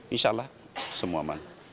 insya allah semua aman